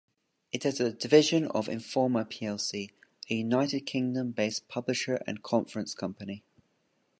It is a division of Informa plc, a United Kingdom-based publisher and conference company.